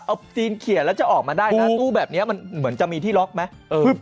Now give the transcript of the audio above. เอาซีนเขียนแล้วจะออกมาได้นะตู้แบบนี้มันเหมือนจะมีที่ล็อกไหม